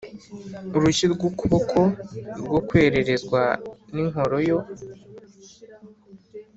Urushyi rw ukuboko rwo kwererezwa n inkoro yo